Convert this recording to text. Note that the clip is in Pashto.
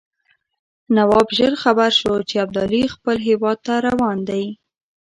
نواب ژر خبر شو چې ابدالي خپل هیواد ته روان دی.